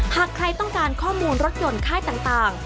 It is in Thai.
หากใครต้องการข้อมูลรถยนต์ค่ายต่าง